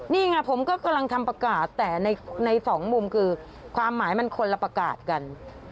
นี่ไงผมก็กำลังทำประกาศแต่ในสองมุมคือความหมายมันคนละประกาศกัน